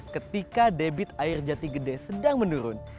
ketika debit air jati gede sedang menurun